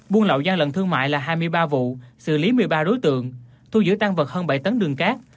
buôn lậu gian lận thương mại là hai mươi ba vụ xử lý một mươi ba đối tượng thu giữ tan vật hơn bảy tấn đường cát